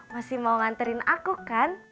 masih mau nganterin aku kan